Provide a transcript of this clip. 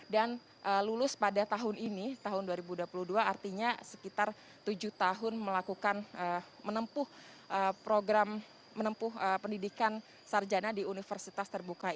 dan lulus pada tahun ini tahun dua ribu dua puluh dua artinya sekitar tujuh tahun melakukan menempuh program menempuh pendidikan sarjana di universitas terbuka